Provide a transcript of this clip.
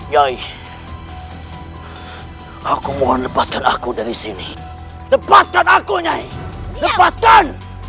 yai aku mohon lepaskan aku dari sini lepaskan aku nyai lepaskan